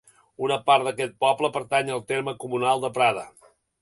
Una part d'aquest poble pertany al terme comunal de Prada.